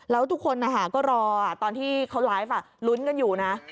แล้วทุกคนก็รอตอนที่เขาไลฟ์ลุ้นกันอยู่นะ